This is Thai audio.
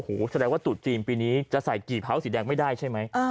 โอ้โหแสดงว่าตุดจีนปีนี้จะใส่กี่เผาสีแดงไม่ได้ใช่ไหม